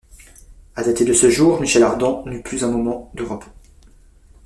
À dater de ce jour, Michel Ardan n’eut plus un moment de repos.